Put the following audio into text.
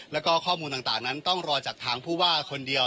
แล้วก็ข้อมูลต่างนั้นต้องรอจากทางผู้ว่าคนเดียว